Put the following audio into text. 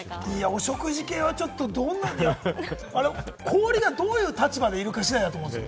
お食事系はちょっと、あれ氷がどういう立場でいるか次第だと思います。